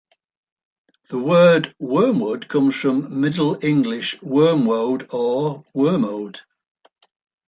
The word "wormwood" comes from Middle English "wormwode" or "wermode".